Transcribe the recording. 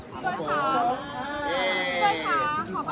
ครับพี่เบิร์ดค่ะ